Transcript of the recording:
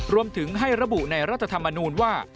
รวมถึงให้ระบุในรัฐธรรมนูญว่า